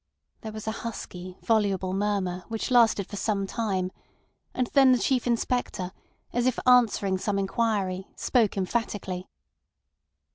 There was a husky, voluble murmur, which lasted for some time, and then the Chief Inspector, as if answering some inquiry, spoke emphatically.